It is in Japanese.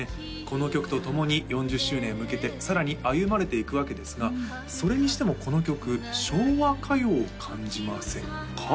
この曲と共に４０周年へ向けてさらに歩まれていくわけですがそれにしてもこの曲昭和歌謡を感じませんか？